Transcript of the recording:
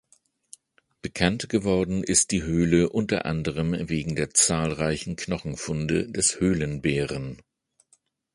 Bekannt geworden ist die Höhle unter anderem wegen der zahlreichen Knochenfunde des Höhlenbären.